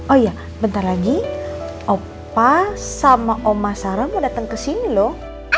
oh iya bentar lagi opa sama oma sarah mau datang ke sini loh